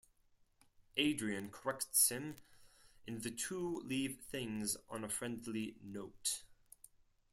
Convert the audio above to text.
Adrian corrects him and the two leave things on a friendly note.